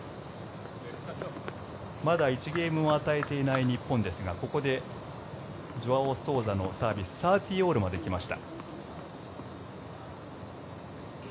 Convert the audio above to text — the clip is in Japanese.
まだ１ゲームも与えていない日本ですがここでジョアオ・ソウザのサービス３０−３０まで来ました。